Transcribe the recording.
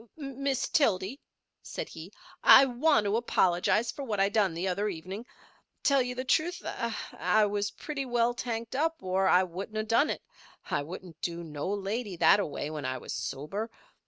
"Miss Tildy," said he, "I want to apologise for what I done the other evenin'. Tell you the truth, I was pretty well tanked up or I wouldn't of done it. I wouldn't do no lady that a way when I was sober.